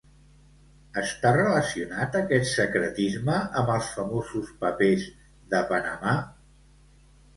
Està relacionat aquest secretisme amb els famosos papers de Panamà?